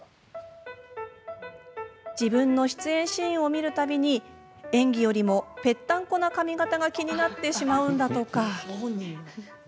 自分の出演シーンを見るたびに演技よりもぺったんこな髪形が気になってしまうんだとか。